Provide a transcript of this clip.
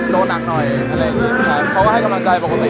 โรนักหน่อยเขาก็ให้กำลังใจปกติ